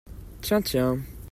Tiens, tiens